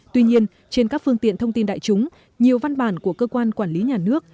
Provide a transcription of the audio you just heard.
tuy nhiên trên các phương tiện thông tin đại chúng nhiều văn bản của cơ quan quản lý nhà nước